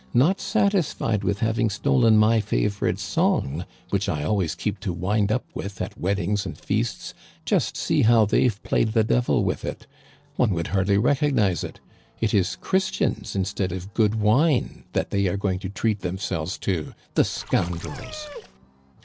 Not satisfied with having stolen my favorite song, which I always keep to wind up with at weddings and feasts, just see how they've played the devil with it! One would hardly recognize it. It is Christians instead of good wine that they are going to treat themselves to, the scoundrels